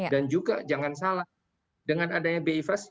dan juga jangan salah dengan adanya bi fast